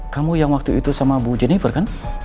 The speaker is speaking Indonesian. kamu yang waktu itu sama bu jennifer kan